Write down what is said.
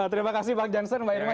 terima kasih pak janssen mbak irma